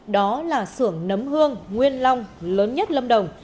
đó là sưởng nấm hương nguyên long lớn nhất lâm đồng